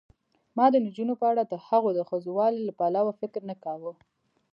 ما د نجونو په اړه دهغو د ښځوالي له پلوه فکر نه کاوه.